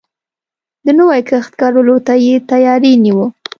د نوی کښت کرلو ته يې تياری نيوه.